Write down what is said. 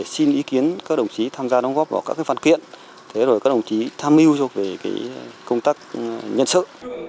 xin ý kiến các đồng chí tham gia đóng góp vào các phản kiện thế rồi các đồng chí tham mưu cho về công tác nhân sự